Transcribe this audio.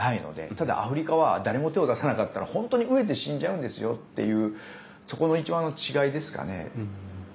ただアフリカは誰も手を出さなかったら本当に飢えて死んじゃうんですよっていうそこの一番の違いですかね。